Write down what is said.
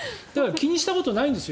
気にしたことないんです。